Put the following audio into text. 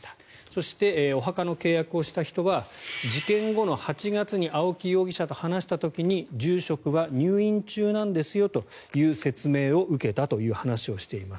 そして、お墓の契約をした人は事件後の８月に青木容疑者と話した時に住職は入院中なんですよという説明を受けたという話をしています。